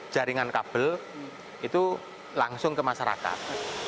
jaringan kabel itu langsung ke masyarakat